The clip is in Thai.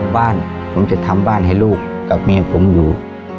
บ้านผมจะทำบ้านให้ลูกกับเมียผมอยู่